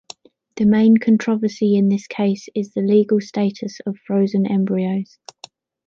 The main controversy in this case is the legal status of frozen embryos.